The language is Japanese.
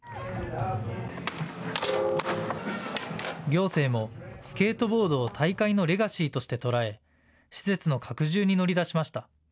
行政もスケートボードを大会のレガシーとして捉え施設の拡充に乗り出しました。